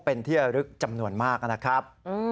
เป็นที่ระลึกจำนวนมากนะครับ